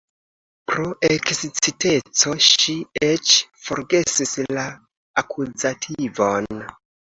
Pro eksciteco ŝi eĉ forgesis la akuzativon.